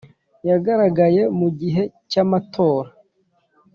yagaragaye mu gihe cy amatora